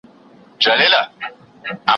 لويان ئې پر کور وايي، کوچنيان ئې پر بېبان.